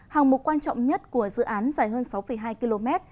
hàng mục quan trọng nhất của dự án dài hơn sáu hai km